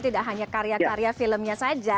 tidak hanya karya karya filmnya saja